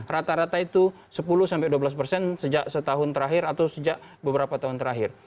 rata rata itu sepuluh sampai dua belas persen sejak setahun terakhir atau sejak beberapa tahun terakhir